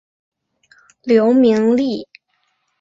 刘明利。